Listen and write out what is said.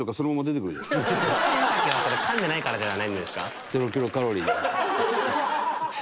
しいたけはそれ噛んでないからではないんですか。